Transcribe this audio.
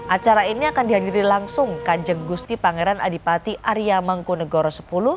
acara ini akan dihadiri langsung kanjeng gusti pangeran adipati arya mangkunegoro sepuluh